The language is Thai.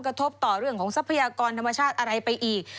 กระทบต่อเรื่องของทรัพยากรธรรมชาติอะไรไปอีก